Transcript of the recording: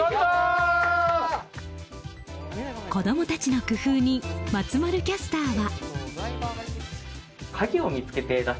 子供たちの工夫に松丸キャスターは。